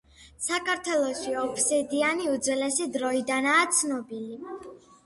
საქართველოში ობსიდიანი უძველესი დროიდანაა ცნობილი.